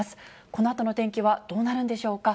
このあとの天気はどうなるんでしょうか。